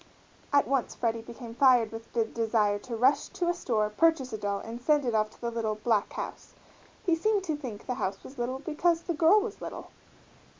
At once Freddie became fired with the desire to rush to a store, purchase a doll, and send it off to the little "black house." He seemed to think the house was little because the girl was little.